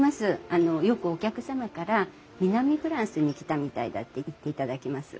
あのよくお客様から「南フランスに来たみたいだ」って言っていただけます。